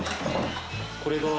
これが。